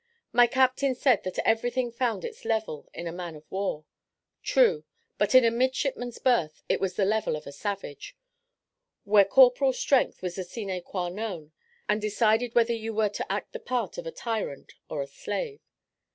My captain said that everything found its level in a man of war. True; but in a midshipman's berth it was the level of a savage, where corporal strength was the sine qua non, and decided whether you were to act the part of a tyrant or a slave.